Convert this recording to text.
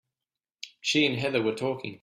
She and Heather were talking.